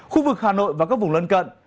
khu vực hà nội và các vùng lân cận